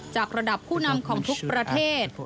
จากระดับผู้นำของทุกประเทศ